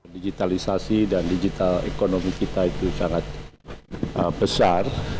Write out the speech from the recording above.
digitalisasi dan digital ekonomi kita itu sangat besar